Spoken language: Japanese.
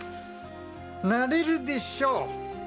なれるでしょう！